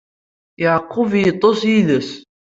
Yeɛqub iṭṭeṣ yid-s.